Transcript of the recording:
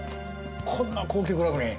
こんな高級クラブに？